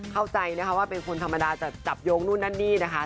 เข้าใจนะคะว่าเป็นคนธรรมดาจะจับโยงนู่นนั่นนี่นะคะ